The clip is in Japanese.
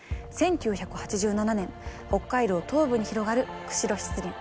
１９８７年北海道東部に広がる釧路湿原。